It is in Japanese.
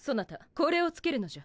これをつけるのじゃ。